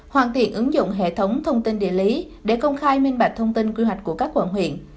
hoàn thiện ứng dụng hệ thống thông tin địa lý để công khai minh bạch thông tin quy hoạch của các quận huyện